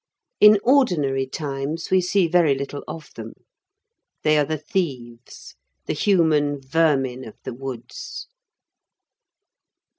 In ordinary times we see very little of them. They are the thieves, the human vermin of the woods.